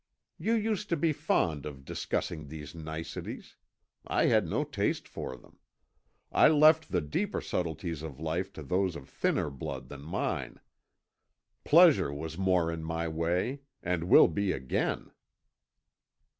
You used to be fond of discussing these niceties; I had no taste for them. I left the deeper subtleties of life to those of thinner blood than mine. Pleasure was more in my way and will be again."